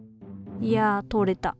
いやとれた。